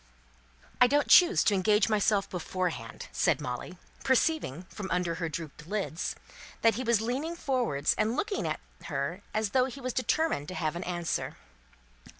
"I don't choose to engage myself beforehand," said Molly, perceiving, from under her dropped eyelids, that he was leaning forward and looking at her as though he was determined to have an answer.